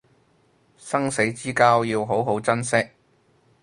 生死之交要好好珍惜